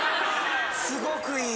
すごくいい。